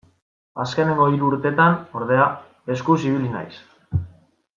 Azkenengo hiru urtetan, ordea, eskuz ibili naiz.